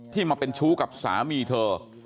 มาเป็นชู้กับสามีเธอ